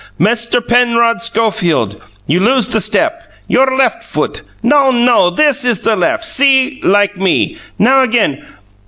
Mister Penrod Schofield, you lose the step. Your left foot! No, no! This is the left! See like me! Now again!